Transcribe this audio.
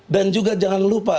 dan juga jangan lupa